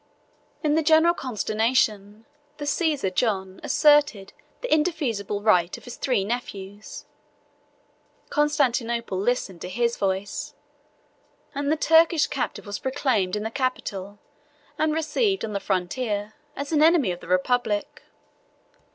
In the general consternation, the Caesar John asserted the indefeasible right of his three nephews: Constantinople listened to his voice: and the Turkish captive was proclaimed in the capital, and received on the frontier, as an enemy of the republic.